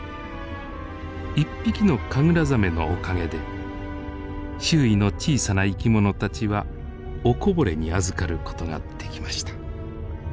一匹のカグラザメのおかげで周囲の小さな生き物たちはおこぼれにあずかる事ができました。